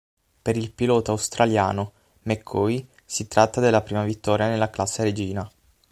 Per il pilota australiano McCoy si tratta della prima vittoria nella classe regina.